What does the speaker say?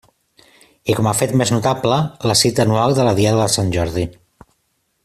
I com a fet més notable, la cita anual de la Diada de Sant Jordi.